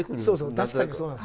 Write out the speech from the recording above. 確かにそうなんです。